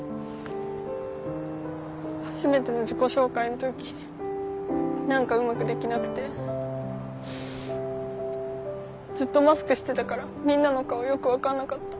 初めての自己紹介の時何かうまくできなくてずっとマスクしてたからみんなの顔よく分かんなかった。